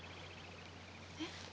えっ？